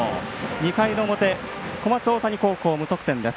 ２回の表、小松大谷高校無得点です。